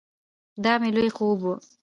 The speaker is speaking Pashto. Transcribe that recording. دا مې لوی خوب ؤ